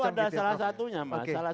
itu adalah salah satunya